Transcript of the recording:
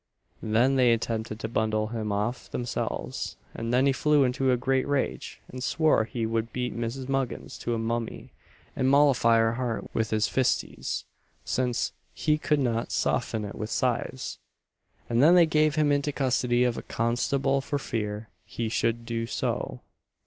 Then they attempted to bundle him off themselves, and then he flew into a great rage, and swore he would beat Mrs. Muggins to a mummy and mollify her heart with his fistes, since he could not soften it with sighs; and then they gave him into custody of a constable for fear he should do so.